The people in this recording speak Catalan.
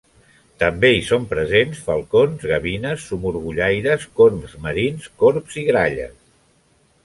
També hi són presents falcons, gavines, somorgollaires, corbs marins, corbs i gralles.